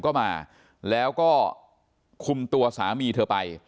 ก็มาแล้วก็คุมตัวสามีเธอไป